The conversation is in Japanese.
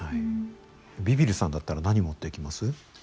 ビビるさんだったら何持っていきます？